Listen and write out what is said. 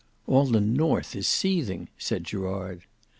"All the north is seething," said Gerard.